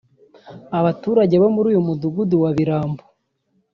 Abaturage bo muri uyu mudugudu wa Birambo